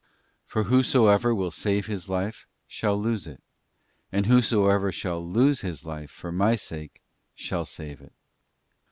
For whoso ever will save his life, shall lose it, and whosoever shall lose his life for My sake ... shall save it.